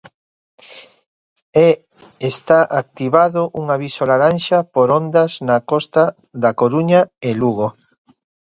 E está activado un aviso laranxa por ondas na costa da Coruña e Lugo.